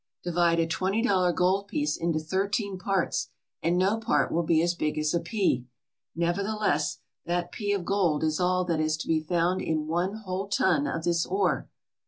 Divide a twenty dollar gold piece into thirteen parts and no part will be as big as a pea. Neverthe less, that pea of gold is all that is to be found in one whole ton of this ore.